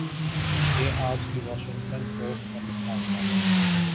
یہ آج کی واشنگٹن پوسٹ میں لکھا ہوا